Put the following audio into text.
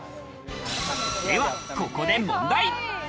では、ここで問題。